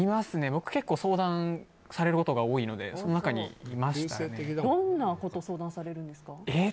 僕結構相談されることが多いのでどんなことを相談されますか？